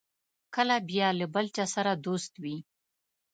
کله بیا له بل چا سره دوست وي.